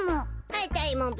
あたいもべ。